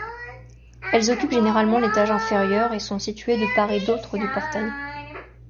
Elles occupent généralement l'étage inférieur, et sont situées de part et d'autre du portail.